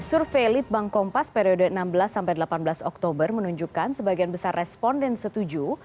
survei litbang kompas periode enam belas sampai delapan belas oktober menunjukkan sebagian besar responden setuju